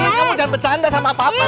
kamu dan bercanda sama papa